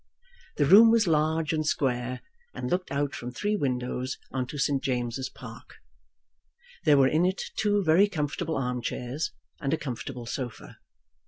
The room was large and square, and looked out from three windows on to St. James's Park. There were in it two very comfortable arm chairs and a comfortable sofa.